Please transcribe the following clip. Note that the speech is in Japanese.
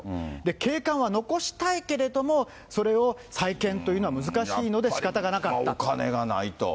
景観は残したいけれども、それを再建というのは難しいのでしかたやっぱりお金がないと。